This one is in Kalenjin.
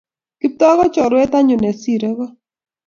Kiptoo kochorwet nyun nesir ko